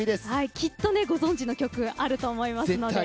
きっとご存じの曲あると思います。